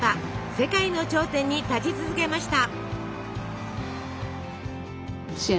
世界の頂点に立ち続けました。